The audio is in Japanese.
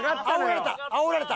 あおられた！